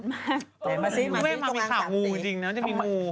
มาสิตรงกลาง๓สีไม่มีขาวงูจริงนะจะมีงู